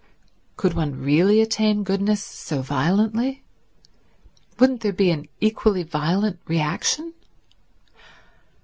Could one really attain goodness so violently? Wouldn't there be an equally violent reaction?